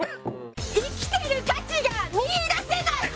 生きてる価値が見いだせない！